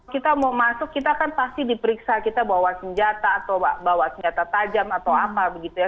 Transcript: kita mau masuk kita kan pasti diperiksa kita bawa senjata atau bawa senjata tajam atau apa begitu ya